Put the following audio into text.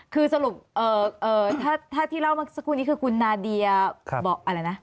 คือสรุปถ้าที่เล่ามาสักครู่นี้คือคุณนาเดียบอกอะไรนะ